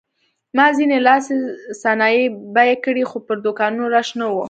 ما ځینې لاسي صنایع بیه کړې خو پر دوکانونو رش نه و.